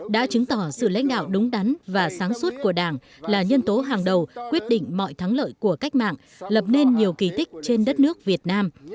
đã chứng tỏ sự lãnh đạo đúng đắn và sáng suốt của đảng là nhân tố hàng đầu quyết định mọi thắng lợi của cách mạng lập nên nhiều kỳ tích trên đất nước việt nam